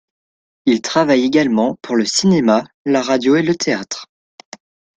Il travaille également pour le cinéma, la radio et le théâtre.